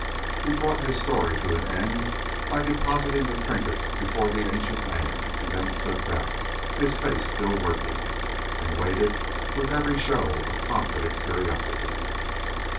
He brought his story to an end by depositing the trinket before the ancient man and then stood back, his face still working, and waited with every show of confident curiosity.